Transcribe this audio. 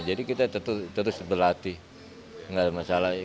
jadi kita terus berlatih enggak masalah